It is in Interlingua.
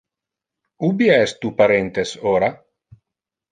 Ubi es tu parentes ora?